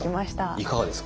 いかがですか？